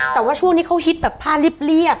แต่ว่าช่วงนี้เขาฮิตแบบผ้าเรียบ